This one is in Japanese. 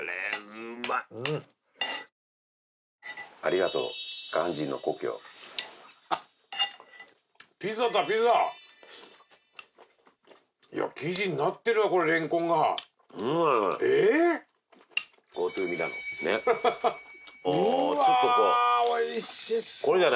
うわおいしそう！